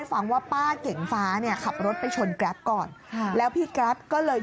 นี่ป้าเป็นนักแข่งมาตั้งแต่เด็กแล้วเว้ย